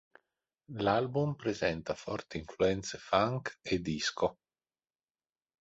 L'album presenta forti influenze funk e disco.